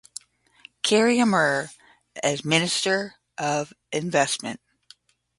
Khairy Amr as Minister of Investment